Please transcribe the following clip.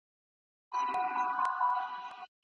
که اقتصاد پياوړی وي سياسي ثبات هم منځته راځي.